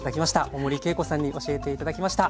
大森慶子さんに教えて頂きました。